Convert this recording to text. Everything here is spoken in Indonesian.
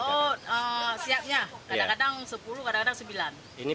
oh siapnya kadang kadang sepuluh kadang kadang sembilan